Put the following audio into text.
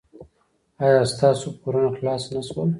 ایا ستاسو پورونه خلاص نه شول؟